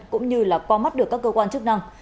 cũng như là qua mắt được các cơ quan chức năng